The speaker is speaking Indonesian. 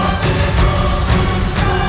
aku tak bisa